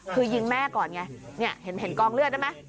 คือยิงแม่ก่อนไงเห็นกองเลือดได้ไหม